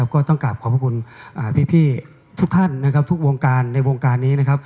ก็ต้องกราบขอบคุณพี่ทุกท่านทุกวงการในวงการนี้